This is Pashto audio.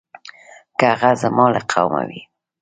که هغه زما له قومه وي.